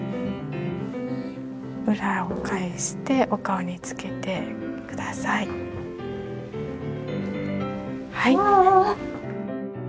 裏を返してお顔につけてください。